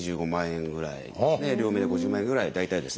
両目で５０万円ぐらい大体ですね。